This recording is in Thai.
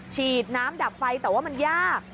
ฉีดน้ำดับไฟแต่ว่ามันยาก